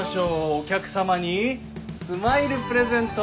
お客様にスマイルプレゼント。